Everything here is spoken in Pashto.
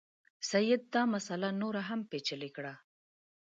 سید دا مسله نوره هم پېچلې کړه.